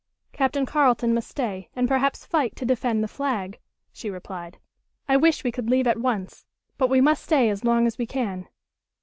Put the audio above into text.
"Captain Carleton must stay and perhaps fight to defend the flag," she replied. "I wish we could leave at once, but we must stay as long as we can."